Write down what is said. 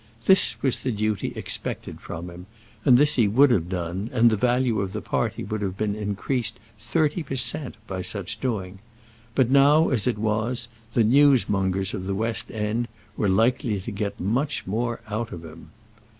This was the duty expected from him, and this he would have done, and the value of the party would have been increased thirty per cent. by such doing; but now, as it was, the news mongers of the West End were likely to get much more out of him.